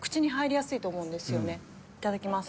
いただきます。